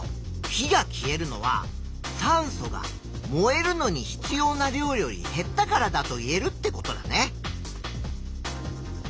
火が消えるのは酸素が燃えるのに必要な量より減ったからだといえるってことだね。